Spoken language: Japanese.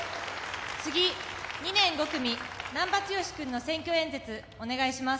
次２年５組難破剛君の選挙演説お願いします。